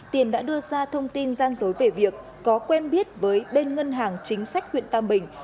tiền đã đưa ra thông tin gian dối về việc có quen biết với bên ngân hàng chính sách huyện tam bình